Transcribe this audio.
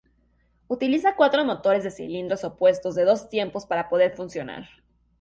Utiliza cuatro motores de cilindros opuestos de dos tiempos para poder funcionar.